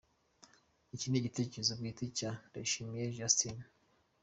Iki ni Igitekerezo bwite cya Ndayishimiye Justin .